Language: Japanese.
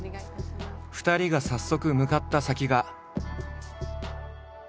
２人が早速向かった先が。